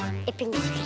ngapain sih kita kemari